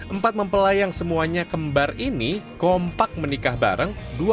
empat mempelayang semuanya kembar ini kompak menikah bareng